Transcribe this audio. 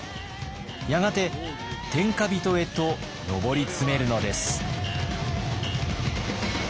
やがて天下人へと上り詰めるのです。